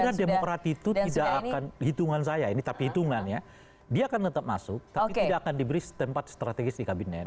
saya kira demokrat itu tidak akan hitungan saya ini tapi hitungannya dia akan tetap masuk tapi tidak akan diberi tempat strategis di kabinet